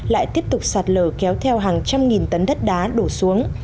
lại tiếp tục sạt lở kéo theo hàng trăm nghìn tấn đất đá đổ xuống